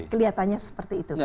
kelihatannya seperti itu